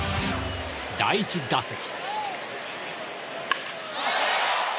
第１打席。